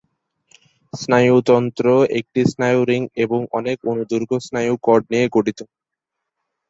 স্নায়ুতন্ত্র একটি স্নায়ু রিং এবং অনেক অনুদৈর্ঘ্য স্নায়ু কর্ড নিয়ে গঠিত।